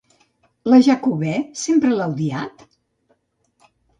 La Jacobè sempre l'ha odiat?